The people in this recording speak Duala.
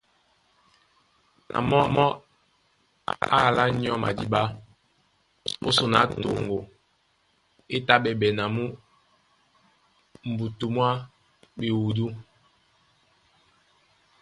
Na mɔ́ é alá nyɔ́ madíɓá ó son á toŋgo é tá ɓɛɓɛ na mú mbutu mwá ɓewudú.